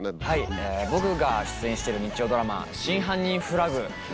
はい僕が出演してる日曜ドラマ『真犯人フラグ』。